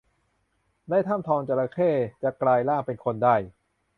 ในถ้ำทองจระเข้ จะกลายร่างเป็นคนได้